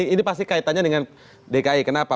ini pasti kaitannya dengan dki kenapa